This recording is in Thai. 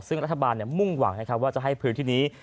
ซึ่งรัฐบาลมุ่งหวังนะครับว่าจะให้พื้นที่นี้